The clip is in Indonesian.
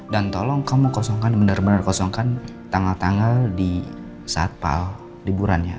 dan tolong kamu kosongkan bener bener kosongkan tanggal tanggal di saat pak al liburannya